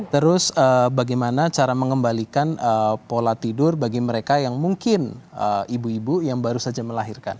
terus bagaimana cara mengembalikan pola tidur bagi mereka yang mungkin ibu ibu yang baru saja melahirkan